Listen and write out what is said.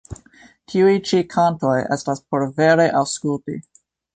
Tiuj ĉi kantoj estas por vere aŭskulti.